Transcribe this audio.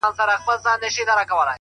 • طبیب وکتل چي ښځه نابینا ده ,